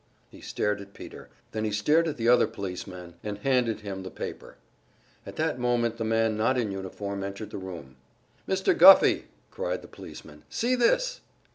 He stared at Peter, then he stared at the other policeman and handed him the paper. At that moment the man not in uniform entered the room. "Mr. Guffey!" cried the policeman. "See this!"